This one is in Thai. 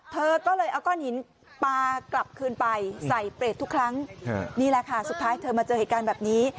เธอก็เลยเอาก้อนหินปลากลับคืนไปใส่เปรตทุกครั้งนี่แหละค่ะสุดท้ายเธอมาเจอเหตุการณ์แบบนี้